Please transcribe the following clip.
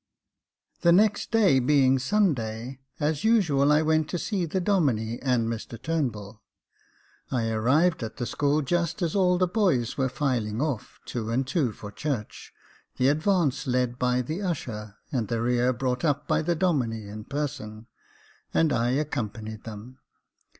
The next day being Sunday, as usual I went to see the Domine and Mr Turnbull. I arrived at the school just as all the boys were filing off, two and two, for church, the advance led by the usher, and the rear brought up by the Domine in person ; and I accompanied them.